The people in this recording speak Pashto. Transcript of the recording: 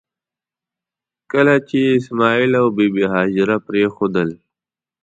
کله چې یې اسماعیل او بي بي هاجره پرېښودل.